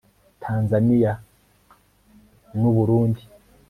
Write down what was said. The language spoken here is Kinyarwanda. tanzania n'u burundi